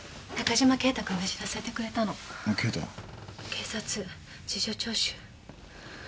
警察。事情聴取。